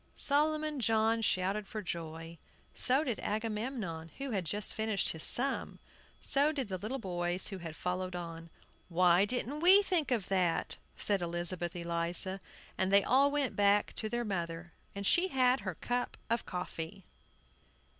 Solomon John shouted with joy; so did Agamemnon, who had just finished his sum; so did the little boys, who had followed on. "Why didn't we think of that?" said Elizabeth Eliza; and they all went back to their mother, and she had her cup of coffee.